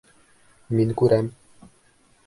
— Мин күрәм!